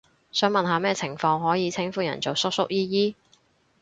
想問下咩情況可以稱呼人做叔叔姨姨？